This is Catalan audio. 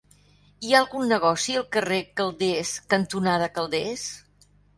Hi ha algun negoci al carrer Calders cantonada Calders?